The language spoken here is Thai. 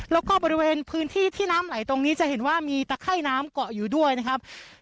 แล้วก็บริเวณพื้นที่ที่น้ำไหลตรงนี้จะเห็นว่ามีตะไข้น้ำเกาะอยู่ด้วยนะครับ